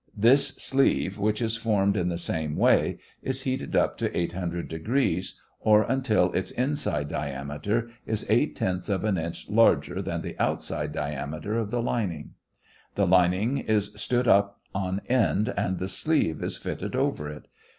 This sleeve, which is formed in the same way, is heated up to 800 degrees, or until its inside diameter is eight tenths of an inch larger than the outside diameter of the lining. The lining is stood up on end and the sleeve is fitted over it.